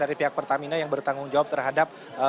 dari pihak pertamina yang bertanggung jawab terhadap